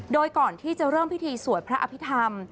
โดยก่อนที่จะเริ่มพิธีสวดพระอภิษฐรรม